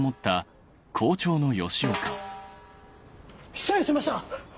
失礼しました！